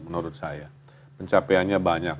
menurut saya pencapaiannya banyak